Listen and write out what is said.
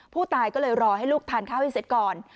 ผู้ตายก็เลยรอให้ลูกทานข้าวให้เสร็จก่อน